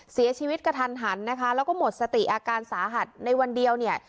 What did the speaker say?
กระทันหันนะคะแล้วก็หมดสติอาการสาหัสในวันเดียวเนี่ย